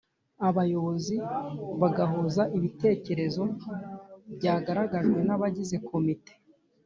abayobozi bagahuza ibitekerezo byagaragajwe n’abagize Komite,